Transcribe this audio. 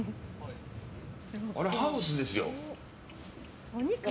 あれハウスですよ。